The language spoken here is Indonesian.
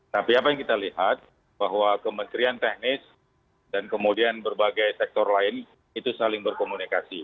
tapi apa yang kita lihat bahwa kementerian teknis dan kemudian berbagai sektor lain itu saling berkomunikasi